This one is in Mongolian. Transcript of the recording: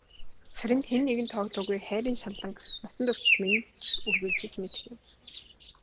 Харин хэн нэгэнд тоогдоогүй хайрын шаналан насан туршид минь ч үргэлжилж мэдэх юм.